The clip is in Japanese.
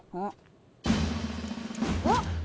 あっ？